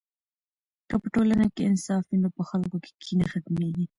که په ټولنه کې انصاف وي نو په خلکو کې کینه ختمېږي.